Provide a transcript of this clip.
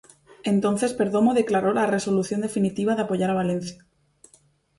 Entonces Perdomo declaró la resolución definitiva de apoyar a Valencia.